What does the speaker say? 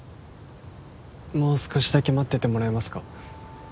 もう少しだけ待っててもらえますか？